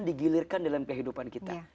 digilirkan dalam kehidupan kita